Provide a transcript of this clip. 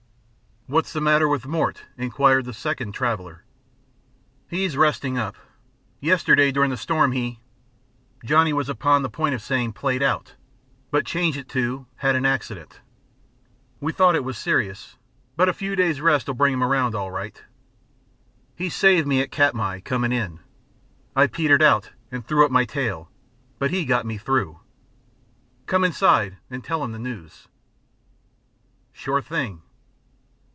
"What's the matter with Mort?" inquired the second traveler. "He's resting up. Yesterday, during the storm he " Johnny was upon the point of saying "played out," but changed it to "had an accident. We thought it was serious, but a few days' rest'll bring him around all right. He saved me at Katmai, coming in. I petered out and threw up my tail, but he got me through. Come inside and tell him the news." "Sure thing."